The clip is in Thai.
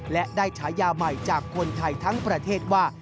และได้ฉายาใหม่จากคนไทยทั้งประเทศว่า